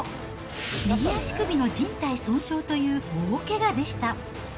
右足首のじん帯損傷という大けがでした。